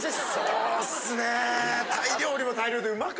そうっすね。